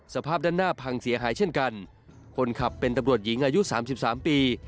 สภาพด้านหน้าพังเสียหายเช่นกันคนขับเป็นตำรวจหญิงอายุสามสิบสามปี